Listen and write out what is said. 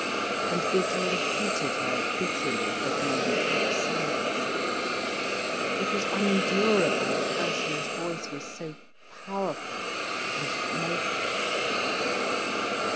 And Gudrun hated her bitterly for being outside herself. It was unendurable that Ursula's voice was so powerful and naked.